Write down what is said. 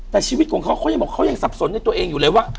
แต่ชีวิตของเขาเขายังบอกเขายังสับสนในตัวเองอยู่เลยว่า